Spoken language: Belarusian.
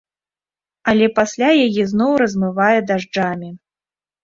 Але пасля яе зноў размывае дажджамі.